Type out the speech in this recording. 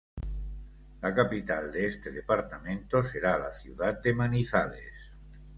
La capital de este departamento será la ciudad de Manizales.